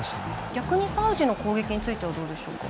逆にサウジの攻撃についてはどうでしょうか。